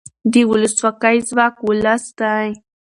د ولسواکۍ ځواک ولس دی